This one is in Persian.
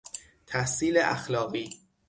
تحصیل اخلاقی